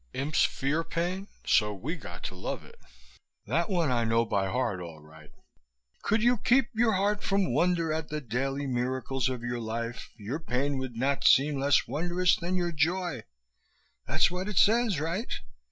Imps fear pain! So we got to love it. That one I know by heart, all right: 'Could you keep your heart from wonder at the daily miracles of your life, your pain would not seem less wondrous than your joy.' That's what it says, right?